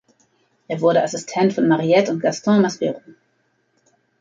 Er wurde Assistent von Mariette und Gaston Maspero.